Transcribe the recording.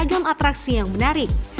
dan beragam atraksi yang menarik